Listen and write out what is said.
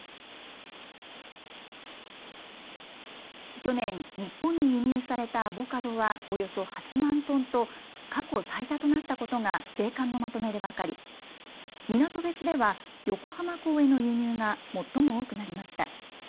去年、日本に輸入されたアボカドはおよそ８万トンと過去最多となったことが税関のまとめで分かり港別では横浜港への輸入が最も多くなりました。